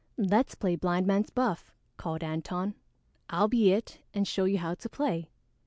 "Let's play Blind Man's Buff," called Antone. "I'll be 'it' and show you how to play."